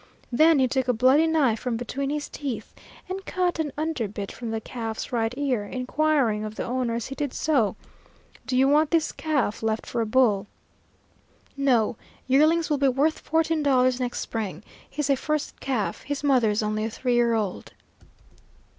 Then he took a bloody knife from between his teeth and cut an under bit from the calf's right ear, inquiring of the owner as he did so, "Do you want this calf left for a bull?" "No; yearlings will be worth fourteen dollars next spring. He's a first calf his mother's only a three year old."